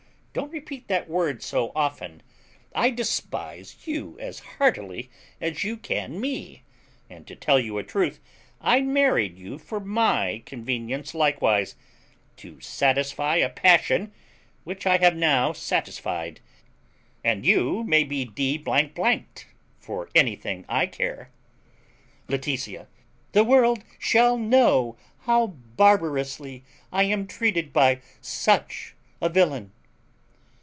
Don't repeat that word so often. I despise you as heartily as you can me. And, to tell you a truth, I married you for my convenience likewise, to satisfy a passion which I have now satisfied, and you may be d d for anything I care. Laetitia. The world shall know how barbarously I am treated by such a villain.